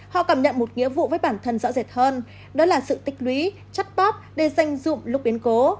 họ cảm nhận một nghĩa vụ với bản thân rõ rệt hơn đó là sự tích lũy chất bóp để dành dụng lúc biến cố